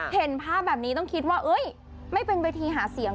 เห็นภาพแบบนี้ต้องคิดว่าไม่เป็นเวทีหาเสียง